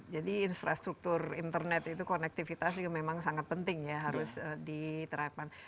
jadi infrastruktur internet itu konektivitasnya memang sangat penting ya harus diterapkan